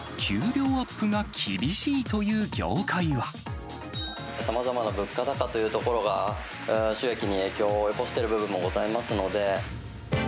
一方、さまざまな物価高というところが、収益に影響を及ぼしている部分もございますので。